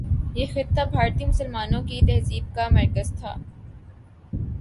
یہ خطہ بھارتی مسلمانوں کی تہذیب کا مرکز تھا۔